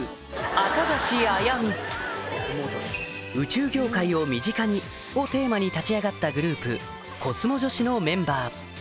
「宇宙業界を身近に」をテーマに立ち上がったグループコスモ女子のメンバー